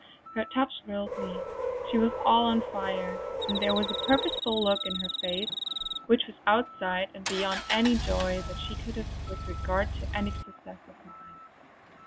Her touch thrilled me; she was all on fire, and there was a purposeful look in her face which was outside and beyond any joy that she could have with regard to any success of mine.